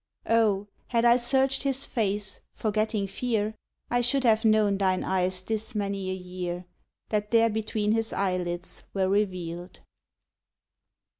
Oh! had I searched His face, forgetting fear, I should have known thine eyes this many a year, That there between his eyelids were reveal'd!